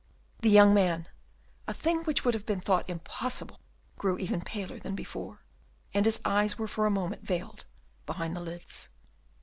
The young man a thing which would have been thought impossible grew even paler than before, and his eyes were for a moment veiled behind the lids.